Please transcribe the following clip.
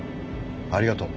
ありがとう。